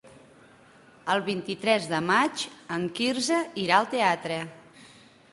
El vint-i-tres de maig en Quirze irà al teatre.